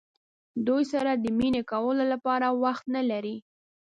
دوی سره د مینې کولو لپاره وخت نه لرئ.